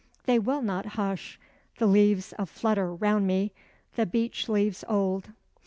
They will not hush, the leaves a flutter round me, the beech leaves old.